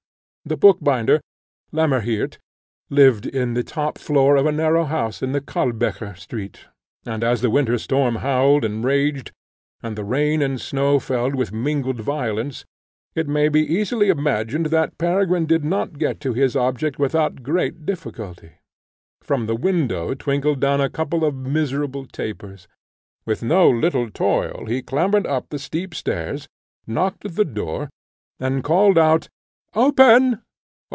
The bookbinder, Lemmerhirt, lived in the top floor of a narrow house in the Kalbecher street; and as the winter storm howled and raged, and the rain and snow fell with mingled violence, it may be easily imagined that Peregrine did not get to his object without great difficulty. From the window twinkled down a couple of miserable tapers; with no little toil he clambered up the steep stairs, knocked at the door, and called out, "Open!